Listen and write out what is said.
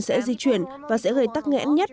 sẽ di chuyển và sẽ gây tắc nghẽn nhất